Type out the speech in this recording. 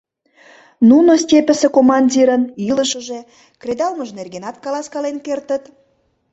Нуно степьысе командирын илышыже, кредалмыже нергенат каласкален кертыт.